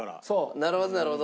なるほどなるほど。